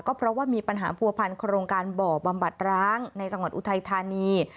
ก็เพราะว่ามีปัญหาผัวพันโครงการบ่อบำบัดร้างในจังหวัดอุทัยธานี